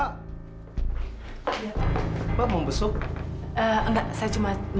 kita lihat susan